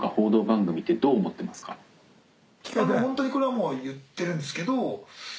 「ホントにこれはもう言ってるんですけど」